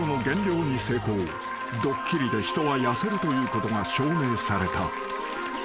［ドッキリで人は痩せるということが証明された］